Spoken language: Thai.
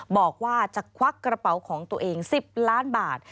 บอกว่าจะควักกระเป๋าของตัวเอง๑๐ล้านบาท